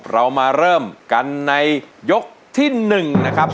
เรามาเริ่มกันในยกที่๑นะครับ